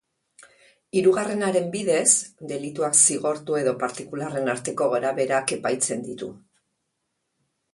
Hirugarrenaren bidez, delituak zigortu edo partikularren arteko gorabeherak epaitzen ditu.